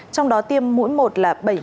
trong đó tiêm mỗi một là bảy mươi